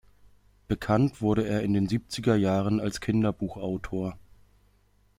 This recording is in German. Bekannt wurde er in den Siebzigerjahren als Kinderbuchautor.